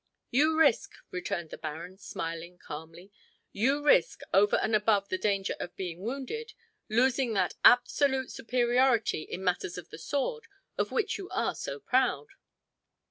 "You risk," returned the baron, smiling calmly, "you risk, over and above the danger of being wounded, losing that absolute superiority in matters of the sword of which you are so proud."